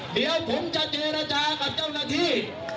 เดี๋ยวผมจะเจรจากับเจ้าหน้าที่